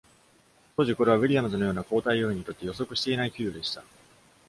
当時、これはウィリアムズのような交替要員にとって予測していない給与でした。